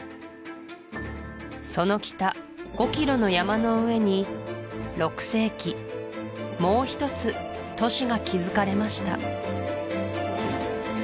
その北５キロの山の上に６世紀もうひとつ都市が築かれました